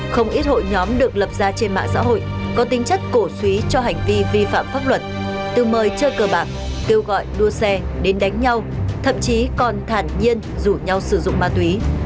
không ít hội nhóm được lập ra trên mạng xã hội có tính chất cổ suý cho hành vi vi phạm pháp luật từ mời chơi cờ bạc kêu gọi đua xe đến đánh nhau thậm chí còn thản nhiên rủ nhau sử dụng ma túy